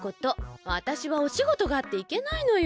わたしはおしごとがあっていけないのよ。